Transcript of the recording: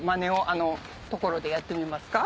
あの所でやってみますか？